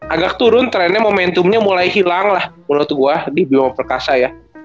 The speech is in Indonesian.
agak turun trennya momentumnya mulai hilang lah menurut gue di bima perkasa ya